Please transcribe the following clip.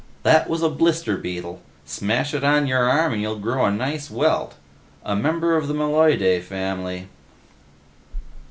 "That was a blister beetle; smash it on your arm and you'll grow a nice welt. A member of the Meloidae family."